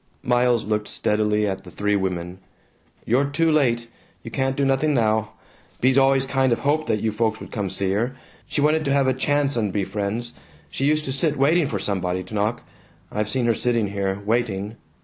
Miles looked steadily at the three women. "You're too late. You can't do nothing now. Bea's always kind of hoped that you folks would come see her. She wanted to have a chance and be friends. She used to sit waiting for somebody to knock. I've seen her sitting here, waiting.